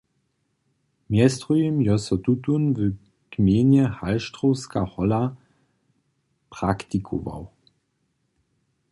Mjez druhim je so tutón w gmejnje Halštrowska hola praktikował.